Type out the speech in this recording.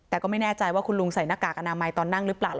แต่ก็ไม่แน่ใจว่าคุณลุงใส่หน้ากากอนามัยตอนนั่งหรือเปล่า